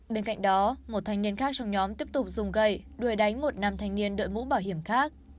bên cạnh đó một thanh niên khác trong nhóm tiếp tục dùng gậy đuổi đánh một nam thanh niên đội mũ bảo hiểm khác